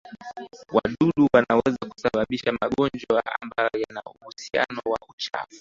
Wdudu wanaweza kusabababisha magonjwa ambayo yana uhusiano na uchafu